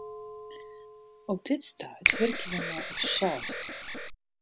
Op dit stuit wurkje wy mei ús seizen.